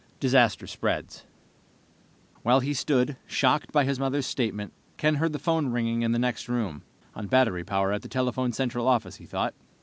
Disaster Spreads While he stood, shocked by his mother's statement, Ken heard the phone ringing in the next room. On battery power at the telephone central office, he thought.